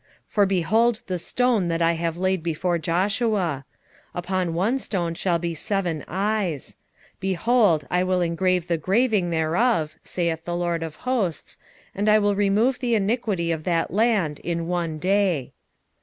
3:9 For behold the stone that I have laid before Joshua; upon one stone shall be seven eyes: behold, I will engrave the graving thereof, saith the LORD of hosts, and I will remove the iniquity of that land in one day.